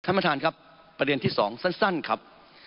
ท่านประธานครับประเด็นที่สองสั้นครับ